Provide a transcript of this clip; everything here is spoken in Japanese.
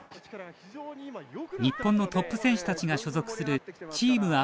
日本のトップ選手たちが所属するチーム